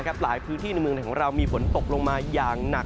หลายพื้นที่ในเมืองไทยของเรามีฝนตกลงมาอย่างหนัก